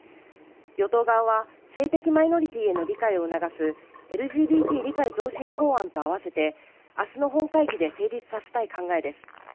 与党側は性的マイノリティへの理解を促すＬＧＢＴ理解増進法案とあわせて、明日の本会議で成立させたい考えです。